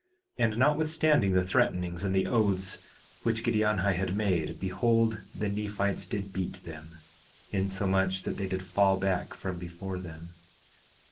4:12 And notwithstanding the threatenings and the oaths which Giddianhi had made, behold, the Nephites did beat them, insomuch that they did fall back from before them.